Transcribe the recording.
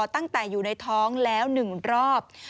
ตั้งแต่อยู่ในท้องแล้ว๑รอบ